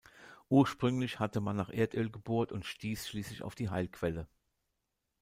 Ursprünglich hatte man nach Erdöl gebohrt und stieß schließlich auf die Heilquelle.